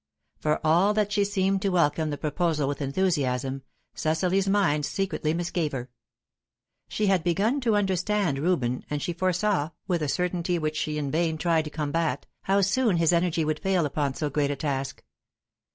For all that she seemed to welcome the proposal with enthusiasm, Cecily's mind secretly misgave her. She had begun to understand Reuben, and she foresaw, with a certainty which she in vain tried to combat, how soon his energy would fail upon so great a task.